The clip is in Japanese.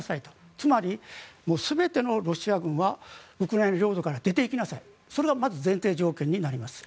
つまり、全てのロシア軍はウクライナ領土から出ていきなさいそれがまず前提条件になります。